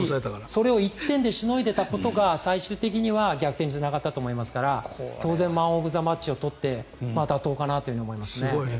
それを１点でしのげたことが最終的には逆転につながったと思いますから当然マン・オブ・ザ・マッチを取って妥当かなと思いますね。